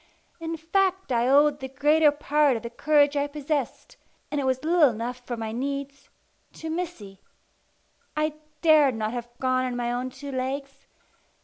In fact I owed the greater part of the courage I possessed and it was little enough for my needs to Missy. I dared not have gone on my own two legs.